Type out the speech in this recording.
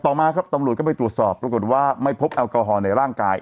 มาครับตำรวจก็ไปตรวจสอบปรากฏว่าไม่พบแอลกอฮอลในร่างกาย